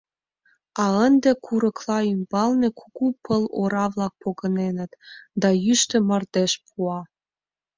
а ынде курыкла ӱмбалне кугу пыл ора-влак погыненыт, да йӱштӧ мардеж пуа.